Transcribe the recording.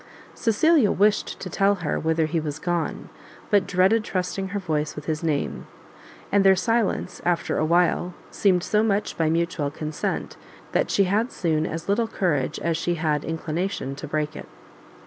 Cecilia wished to tell her whither he was gone, but dreaded trusting her voice with his name; and their silence, after a while, seemed so much by mutual consent, that she had soon as little courage as she had inclination to break it.